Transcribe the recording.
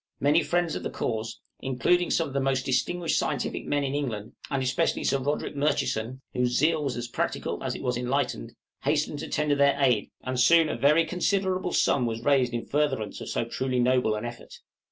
Many friends of the cause including some of the most distinguished scientific men in England, and especially Sir Roderick Murchison, whose zeal was as practical as it was enlightened hastened to tender their aid, and soon a very considerable sum was raised in furtherance of so truly noble an effort.